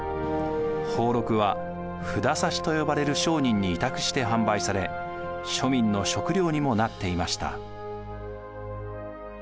俸禄は札差と呼ばれる商人に委託して販売され庶民の食料にもなっていました。